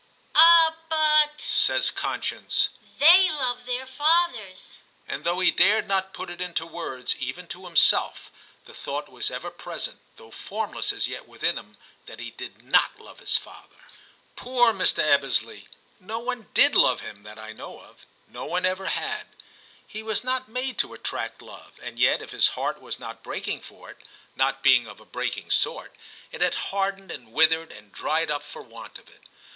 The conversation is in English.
'Ah! but,* says conscience, Hhey love their fathers. And though he dared not put it into words even to himself, the thought was ever present, though formless as yet within him, that he did not love his father. Poor Mr. Ebbesley ! no one did love him that I know of ; no one ever had. He was not made to attract love, and yet if his heart was not breaking for it (not being of a 192 TIM CHAP. breaking sort), it had hardened and withered and dried up for want of it.